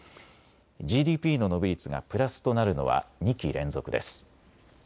ＧＤＰの伸び率がプラスとなるのは２期連続です。